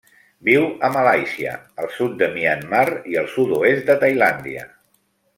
Viu a Malàisia, el sud de Myanmar i el sud-oest de Tailàndia.